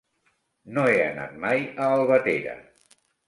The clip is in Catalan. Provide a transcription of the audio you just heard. No he anat mai a Albatera.